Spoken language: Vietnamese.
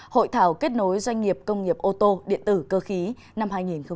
hội thảo kết nối doanh nghiệp công nghiệp ô tô điện tử cơ khí năm hai nghìn hai mươi